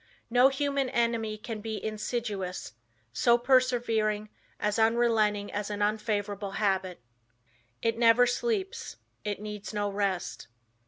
No human enemy can be as insidious, so persevering, as unrelenting as an unfavorable habit. It never sleeps, it needs no rest.